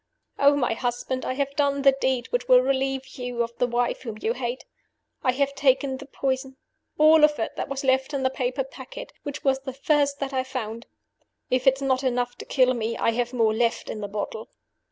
"Oh, my husband, I have done the deed which will relieve you of the wife whom you hate! I have taken the poison all of it that was left in the paper packet, which was the first that I found. If this is not enough to kill me, I have more left in the bottle.